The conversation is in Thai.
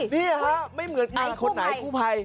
นี่ครับไม่เหมือนอันคนไหนกู้พลาย